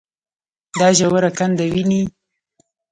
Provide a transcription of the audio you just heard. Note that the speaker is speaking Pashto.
دا ژوره کنده وينې.